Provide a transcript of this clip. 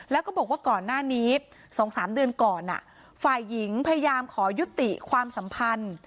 แล้วก็บอกว่าก่อนหน้านี้๒๓เดือนก่อนฝ่ายหญิงพยายามขอยุติความสัมพันธ์